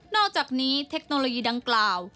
อกจากนี้เทคโนโลยีดังกล่าว